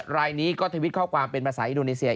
รายนี้ก็ทวิตข้อความเป็นภาษาอินโดนีเซีย